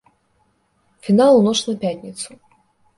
Фінал у ноч на пятніцу.